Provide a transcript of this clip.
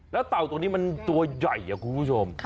แล้วเต่าตัวนี้มันตัวใหญ่คุณผู้ชม